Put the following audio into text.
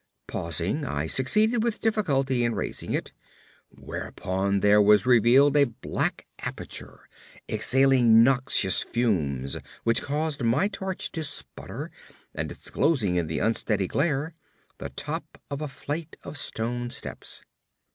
Pausing, I succeeded with difficulty in raising it, whereupon there was revealed a black aperture, exhaling noxious fumes which caused my torch to sputter, and disclosing in the unsteady glare the top of a flight of stone steps.